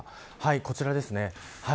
こちらですね。